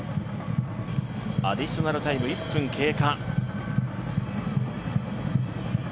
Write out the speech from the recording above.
アディショナルタイム１分経過。